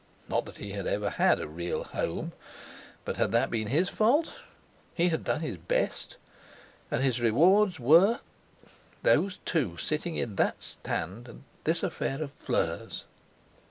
Not that he had ever had a real home! But had that been his fault? He had done his best. And his rewards were—those two sitting in that Stand, and this affair of Fleur's!